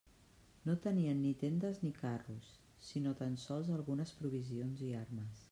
No tenien ni tendes ni carros, sinó tan sols algunes provisions i armes.